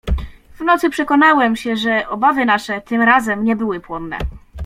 "W nocy przekonałem się, że obawy nasze, tym razem, nie były płonne."